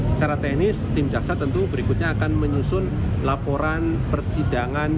secara teknis tim jaksa tentu berikutnya akan menyusun laporan persidangan